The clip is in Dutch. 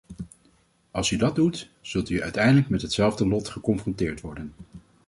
Als u dat doet, zult u uiteindelijk met hetzelfde lot geconfronteerd worden.